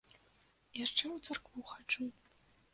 Яшчэ ў царкву хаджу.